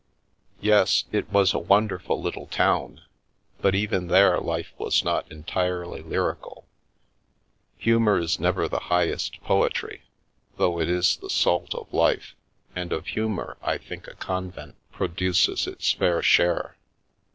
Yes — it was a wonderful little town, but even there life was not entirely lyrical. Humour is never the high est poetry, though it is the salt of life, and of humour I think a convent produces its fair share.